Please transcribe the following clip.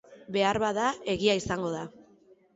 Beharbada, egia izango da.